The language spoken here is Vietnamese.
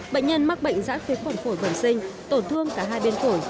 bệnh nhân mắc bệnh giãn phế quản phổi bẩm sinh tổn thương cả hai biên phổi